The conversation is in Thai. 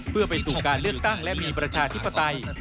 เพื่อไปสู่การเลือกตั้งและมีประชาธิปไตย